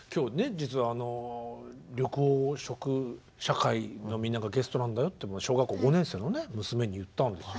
実は緑黄色社会のみんながゲストなんだよっていうのを小学校５年生のね娘に言ったんですよ。